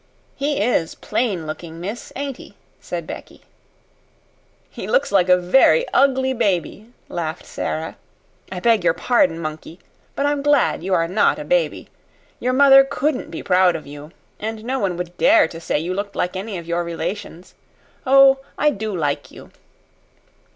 "He IS plain looking, miss, ain't he?" said Becky. "He looks like a very ugly baby," laughed Sara. "I beg your pardon, monkey; but I'm glad you are not a baby. Your mother COULDN'T be proud of you, and no one would dare to say you looked like any of your relations. Oh, I do like you!"